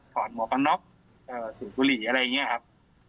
ถอนหมวกน๊อคสูตรกุหรี่อะไรอย่างนี้ครับ